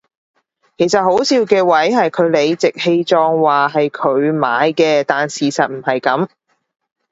其實好笑嘅位係佢理直氣壯話係佢買嘅但事實唔係噉